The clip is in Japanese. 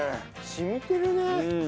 染みてるね。